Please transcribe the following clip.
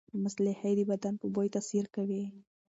مصالحې د بدن په بوی تاثیر کوي.